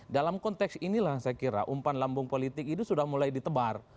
dalam konteks inilah saya kira umpan lambung politik itu sudah mulai ditebar